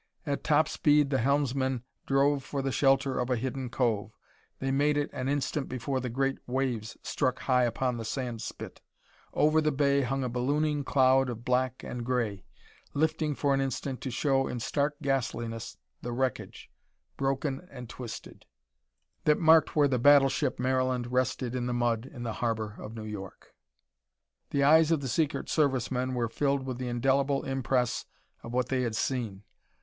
At top speed the helmsman drove for the shelter of a hidden cove. They made it an instant before the great waves struck high upon the sand spit. Over the bay hung a ballooning cloud of black and gray lifting for an instant to show in stark ghastliness the wreckage, broken and twisted, that marked where the battleship Maryland rested in the mud in the harbor of New York. The eyes of the Secret Service men were filled with the indelible impress of what they had seen.